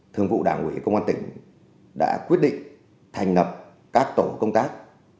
thường vụ đảng ủy công an tỉnh đã quyết định thành lập các tổ công tác